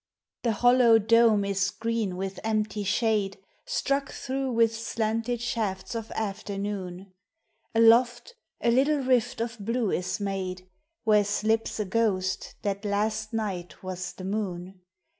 The hollow dome is given with empty shade, Struck through with slanted shafts ol after noon ; Aloft, a little rifl of blue is made, Where sli,,« a ghoel thai las! D«gh1 ww th. moon.